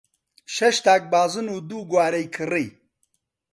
شەش تاک بازن و دوو گوارەی کڕی.